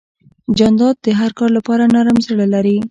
جانداد د هر کار لپاره نرم زړه لري.